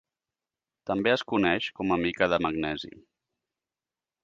També es coneix com a mica de magnesi.